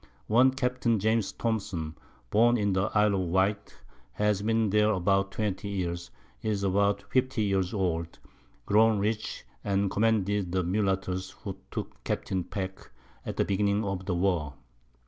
One Capt. James Thompson, born in the Isle of Wight, has been there about 20 Years, is about 50 Years old, grown rich, and commanded the Mullattoes who took Capt. Packe, at the Beginning of the War.